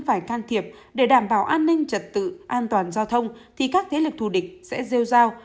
phải can thiệp để đảm bảo an ninh trật tự an toàn giao thông thì các thế lực thù địch sẽ rêu giao